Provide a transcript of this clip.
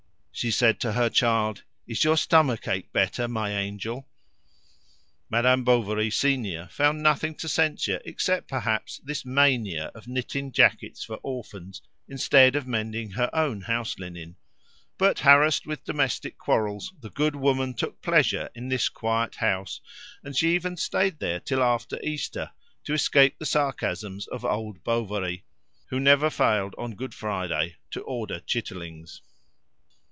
She said to her child, "Is your stomach ache better, my angel?" Madame Bovary senior found nothing to censure except perhaps this mania of knitting jackets for orphans instead of mending her own house linen; but, harassed with domestic quarrels, the good woman took pleasure in this quiet house, and she even stayed there till after Easter, to escape the sarcasms of old Bovary, who never failed on Good Friday to order chitterlings.